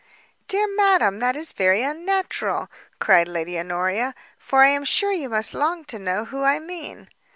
"Dear madam, that is very unnatural," cried Lady Honoria, "for I am sure you must long to know who I mean."